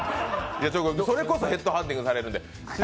それこそヘッドハンティングされるんで。